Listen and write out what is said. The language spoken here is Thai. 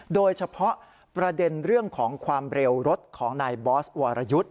โดยเฉพาะประเด็นเรื่องของความเร็วรถของนายบอสวรยุทธ์